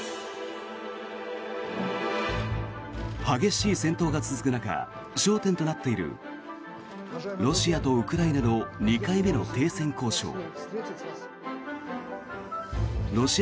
激しい戦闘が続く中焦点となっているロシアとウクライナの２回目の停戦交渉。